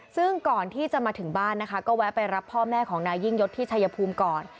ซึ่งก่อนที่จะมาถึงบ้านนะคะก็แวะไปรับพ่อแม่ของนายยิ่งยศที่ชายภูมิก่อน